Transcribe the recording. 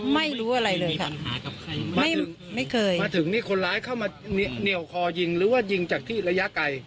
ไม่รู้อะไรเลยค่ะไม่เคย